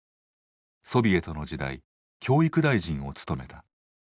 ソビエトの時代教育大臣を務めた。